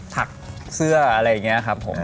ถักเสื้ออะไรอย่างนี้ครับผม